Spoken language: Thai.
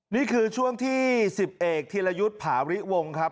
นี่คือช่วงที่๑๐เอกธีรยุทธ์ผาริวงครับ